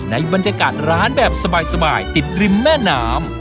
ในบรรยากาศร้านแบบสบายติดริมแม่น้ำ